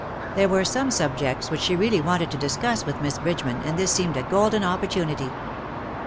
There were some subjects which she really wanted to discuss with Miss Bridgeman, and this seemed a golden opportunity.